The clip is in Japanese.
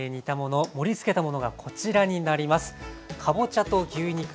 盛りつけたものがこちらになります。